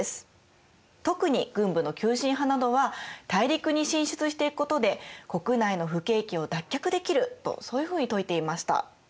特に軍部の急進派などは大陸に進出していくことで国内の不景気を脱却できるとそういうふうに説いていました。